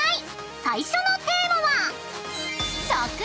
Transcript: ［最初のテーマは］